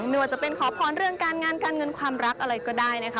ไม่ว่าจะเป็นขอพรเรื่องการงานการเงินความรักอะไรก็ได้นะคะ